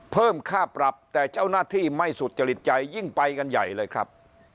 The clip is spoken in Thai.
เพิ่มค่าปรับแต่เจ้าหน้าที่ไม่สุจริตใจยิ่งไปกันใหญ่เลยครับ